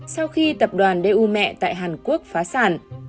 sau khi tập đoàn du mẹ tại hàn quốc phá sản